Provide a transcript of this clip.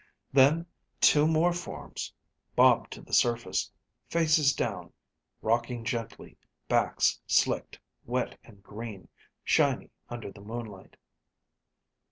Then two more forms bobbed to the surface, faces down, rocking gently, backs slicked wet and green, shiny under the moonlight.